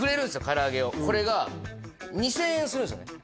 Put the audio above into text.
唐揚げをこれが２０００円するんですよね